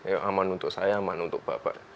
ya aman untuk saya aman untuk bapak